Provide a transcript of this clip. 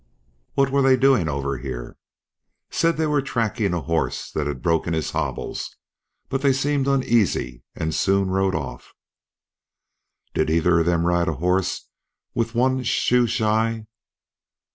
"What were they doing over here?" "Said they were tracking a horse that had broken his hobbles. But they seemed uneasy, and soon rode off." "Did either of them ride a horse with one shoe shy?"